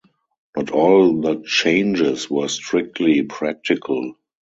Not all the changes were strictly practical.